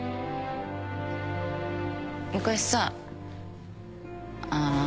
昔さあー。